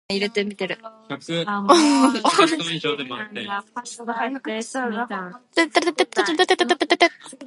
A year later he sailed to Australia and then New Zealand.